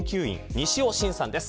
西尾晋さんです